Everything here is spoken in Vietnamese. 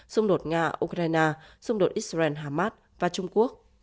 xung đột nga ukraine xung đột israel hamas và trung quốc